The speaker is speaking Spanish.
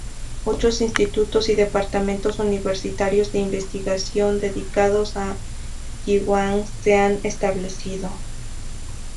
Muchos institutos y departamentos universitarios de investigación dedicados a Yi Hwang se han establecido.